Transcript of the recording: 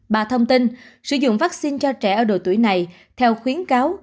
bà thông tin sử dụng vaccine cho trẻ ở độ tuổi này theo khuyến cáo